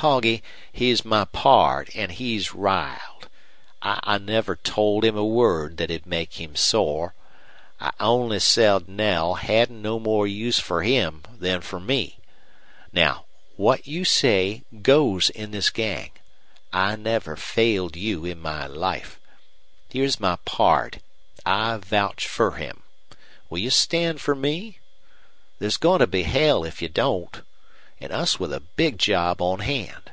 "Poggy, he's my pard, an' he's riled. I never told him a word thet'd make him sore. I only said Knell hadn't no more use fer him than fer me. Now, what you say goes in this gang. I never failed you in my life. Here's my pard. I vouch fer him. Will you stand fer me? There's goin' to be hell if you don't. An' us with a big job on hand!"